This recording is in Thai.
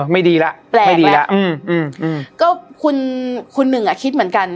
ไม่ดีแล้วแปลกแปลกก็คุณหนึ่งคิดเหมือนกัน